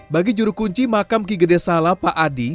bagi jurukunci makam kigede sala pak adi